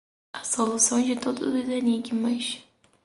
a solução de todos os enigmas